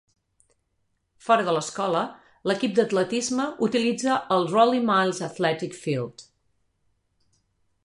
Fora de l'escola, l'equip d'atletisme utilitza el Rollie Miles Athletic Field.